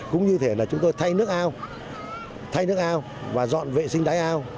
cũng như thể là chúng tôi thay nước ao thay nước ao và dọn vệ sinh đáy ao